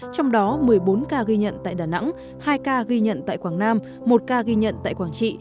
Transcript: trong đó một mươi bốn ca ghi nhận tại đà nẵng hai ca ghi nhận tại quảng nam một ca ghi nhận tại quảng trị